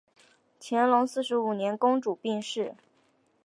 乾隆四十五年公主病逝。